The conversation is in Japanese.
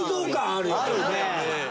あるね。